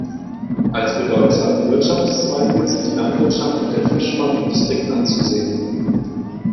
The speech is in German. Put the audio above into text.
Als bedeutsame Wirtschaftszweige sind die Landwirtschaft und der Fischfang im Distrikt anzusehen.